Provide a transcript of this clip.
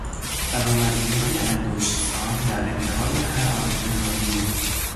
برآمدگیهای انگشتسان در انتهای هر آنتن رادیو